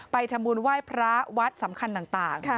ไปทำบุญไหว้พระวัดสำคัญต่าง